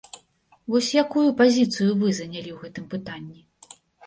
Вось якую пазіцыю вы занялі ў гэтым пытанні?